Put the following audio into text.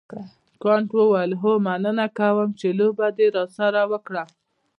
کانت وویل هو مننه کوم چې لوبه دې راسره وکړه.